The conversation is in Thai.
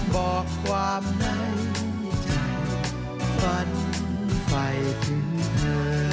บอกความในใจฝันไปถึงเธอ